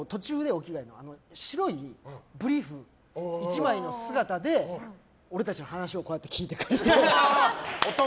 白いブリーフ１枚の姿で俺たちの話をこうやって聞いてくれて。